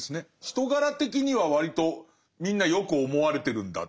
人柄的には割とみんなよく思われてるんだ。